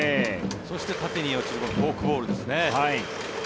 そして、縦に落ちるフォークボールですね。